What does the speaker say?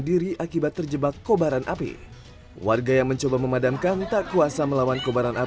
diri akibat terjebak kobaran api warga yang mencoba memadamkan tak kuasa melawan kobaran